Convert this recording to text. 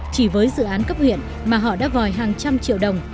chỉ với dự án cấp huyện mà họ đã vòi hàng trăm triệu đồng